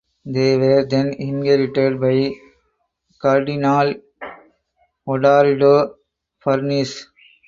They were then inherited by Cardinale Odoardo Farnese.